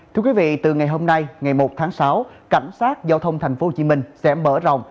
thưa quý vị từ ngày hôm nay ngày một tháng sáu cảnh sát giao thông tp hcm sẽ mở rộng